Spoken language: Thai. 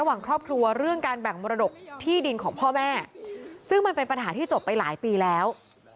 ส่วนประเด็นที่ผู้ก่อเหตุบอกเขาเป็นโรคหัวใจใช่ไหม